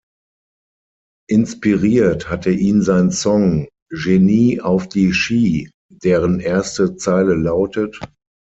Inspiriert hatte ihn sein Song "Genie auf die Ski", deren erste Zeile lautet.